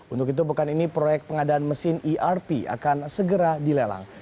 untuk itu pekan ini proyek pengadaan mesin erp akan segera dilelang